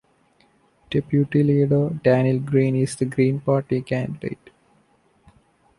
Deputy Leader Daniel Green is the Green Party candidate.